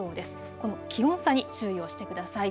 この気温差に注意をしてください。